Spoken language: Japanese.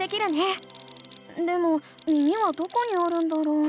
でも耳はどこにあるんだろう？